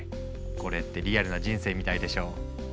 これってリアルな人生みたいでしょ？